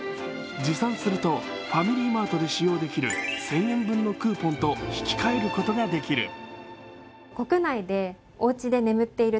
持参すると、ファミリーマートで使用できる１０００円分のクーポンと引き換えることができる。